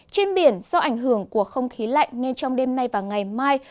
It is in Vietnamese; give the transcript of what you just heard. trên biển do ảnh hưởng của không khí lạnh nên trong đêm nay và ngày mai